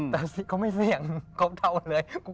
แต่สิเขาไม่เสี่ยงเขาเทาะเลย